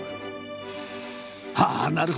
ああなるほど！